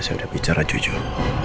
saya udah bicara jujur